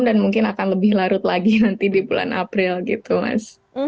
dan mungkin akan lebih larut lagi nanti di bulan april gitu mas